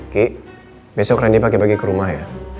ki besok randy pake pake ke rumah ya